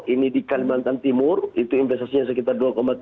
ini di kalimantan timur itu investasinya sekitar dua tiga